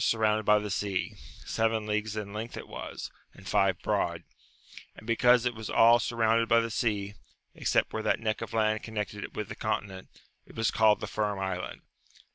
25T surrounded by the sea; sevisn leagues in length it was, and five broad, and because it was all surrounded by the sea, except where that neck of land connected it with the continent, it was called the Firm Island.